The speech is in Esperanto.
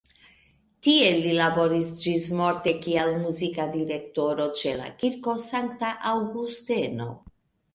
Tie li laboris ĝismorte kiel muzika direktoro ĉe la Kirko Sankta Aŭgusteno.